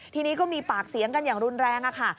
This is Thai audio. ทีนี้ก็มีปากเสียงกันอย่างรุนแรงค่ะ